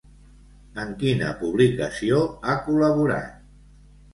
En quina publicació ha col·laborat?